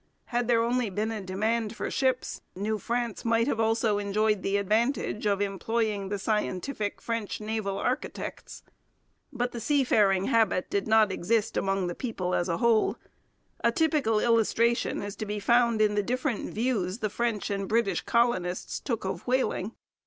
Had there only been a demand for ships New France might have also enjoyed the advantage of employing the scientific French naval architects. But the seafaring habit did not exist among the people as a whole. A typical illustration is to be found in the different views the French and British colonists took of whaling.